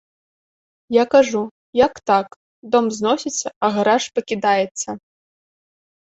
Я кажу, як так, дом зносіцца, а гараж пакідаецца?